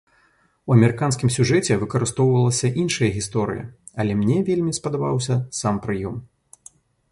У амерыканскім сюжэце выкарыстоўвалася іншая гісторыя, але мне вельмі спадабаўся сам прыём.